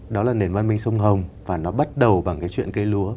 đó là nền văn minh sông hồng và nó bắt đầu bằng cái chuyện cây lúa